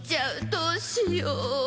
どうしよう。